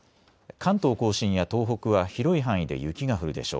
関東甲信や東北は広い範囲で雪が降るでしょう。